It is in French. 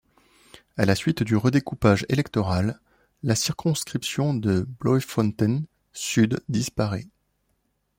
À la suite du redécoupage électoral, la circonscription de Bloemfontein Sud disparait.